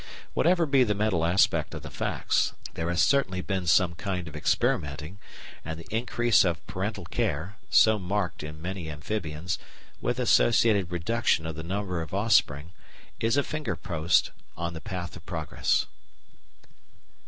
Whatever be the mental aspect of the facts, there has certainly been some kind of experimenting, and the increase of parental care, so marked in many amphibians, with associated reduction of the number of offspring is a finger post on the path of progress.